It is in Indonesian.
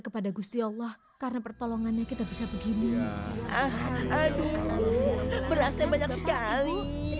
kepada gusti allah karena pertolongannya kita bisa begini aduh berasnya banyak sekali